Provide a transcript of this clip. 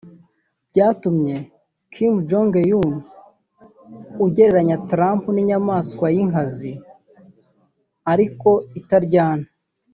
Byatumye Kim Jong Un agereranya Trump n’ imyamaswa y’ inkazi ariko itaryana